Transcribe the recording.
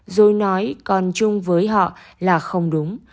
rồi nói con chung với họ là không đúng